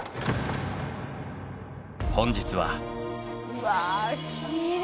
本日は。